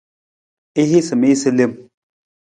I hiisa mi jasa lem.